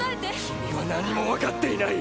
君は何も分かっていない！